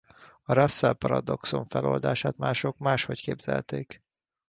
A Russell-paradoxon feloldását mások máshogy képzelték.